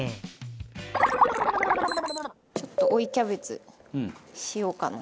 ちょっと追いキャベツしようかな。